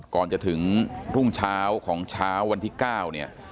ก่อนจะถึงรุ่งเช้าของเช้าวันที่๙เนี่ย